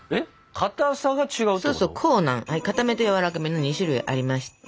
硬めと軟らかめの２種類ありまして。